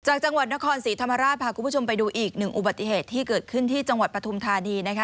จังหวัดนครศรีธรรมราชพาคุณผู้ชมไปดูอีกหนึ่งอุบัติเหตุที่เกิดขึ้นที่จังหวัดปฐุมธานีนะคะ